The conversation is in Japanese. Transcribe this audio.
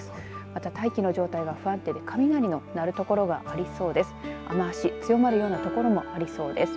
また大気の状態が不安定で雷の鳴る所がありそうです。